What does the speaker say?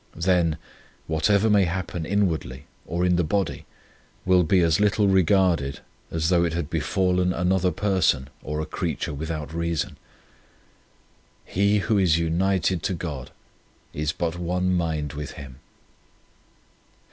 Then, whatever may happen in wardly or in the body will be as little regarded as though it had be 68 Devotion fallen another person or a creature without reason. He who is united to God is but one mind with Him.